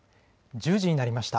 １０時になりました。